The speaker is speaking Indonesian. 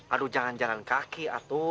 aduh jangan jalan jalan kaki atu